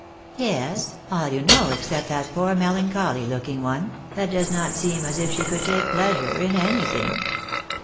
" Yes ; all you know, except that poor melancholy looking one, that does not seem as if she could take pleasure in anything."